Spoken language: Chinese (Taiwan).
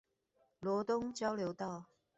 羅東交流道